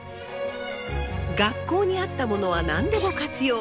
学校にあったものは何でも活用。